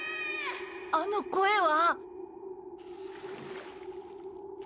あの声は？